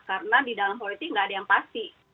karena di dalam politik gak ada yang pasti